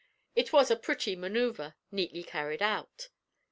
It was a pretty maneuver, neatly carried out.